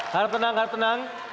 harap tenang harap tenang